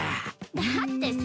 だってさ。